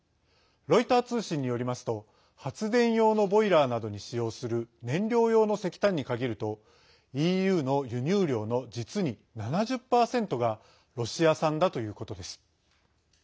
ロイター通信によりますと発電用のボイラーなどに使用する燃料用の石炭に限るとＥＵの輸入量の実に７０％がロシア産だということです。